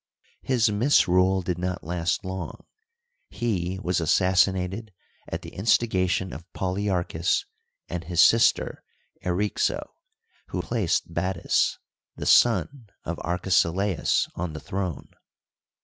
His misrule did not last long. He was assassinated at the instigation of Polyarchus and his sister Eryxo, who placed Battus, the son of Arkesilaus, on the throne.